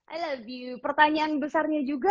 i love you pertanyaan besarnya juga